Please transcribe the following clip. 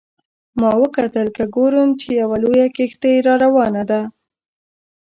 ما وکتل که ګورم چې یوه لویه کښتۍ را روانه ده.